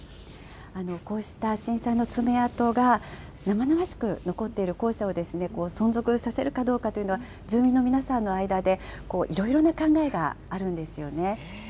こうした震災の爪痕が生々しく残っている校舎を存続させるかどうかというのは、住民の皆さんの間でいろいろな考えがあるんですよ